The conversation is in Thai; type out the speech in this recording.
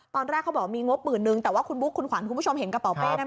ตอนแรกเขาบอกมีงบหมื่นนึงแต่ว่าคุณบุ๊คคุณขวัญคุณผู้ชมเห็นกระเป๋าเป้นะคะ